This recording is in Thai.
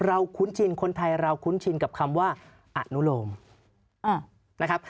คุ้นชินคนไทยเราคุ้นชินกับคำว่าอนุโลมนะครับ